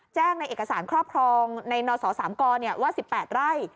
แจ้งในเอกสารครอบครองในนสสามกว่า๑๘ไร่